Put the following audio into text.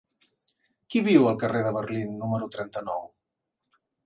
Qui viu al carrer de Berlín número trenta-nou?